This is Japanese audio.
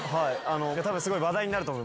すごい話題になると思います。